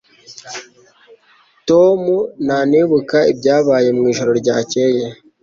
Tom ntanibuka ibyabaye mwijoro ryakeye